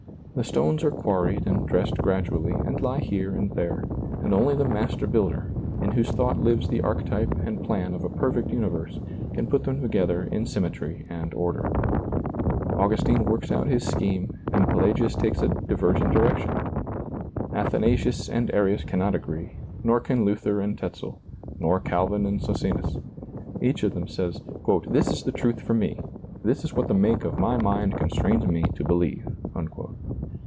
The stones are quarried and dressed gradually and lie here and there, and only the Master Builder, in whose thought lives the archetype and ^lailizccbvGoOgle SEEING DARKLY 17 plan of a perfect universe, can put them together in symmetry and order Augustine works out his scheme and Pe lagius takes a divergent direction ; Athanasius and Arius cannot agree, nor can Luther and Tetzel, nor Calvin and Socinus. Each of them says, " This is the truth for me ; this is what the make of my mind constrains me to believe."